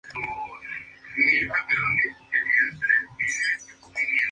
La orquesta quedó impresionada y aplaudido a Abravanel.